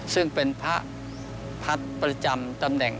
ซึ่งเป็นพระพัฒน์ประจำตำแหน่ง